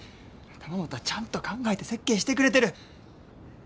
玉本はちゃんと考えて設計してくれてる。